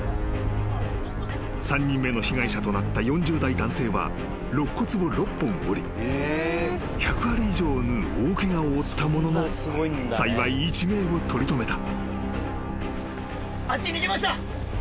［３人目の被害者となった４０代男性は肋骨を６本折り１００針以上を縫う大ケガを負ったものの幸い一命を取り留めた］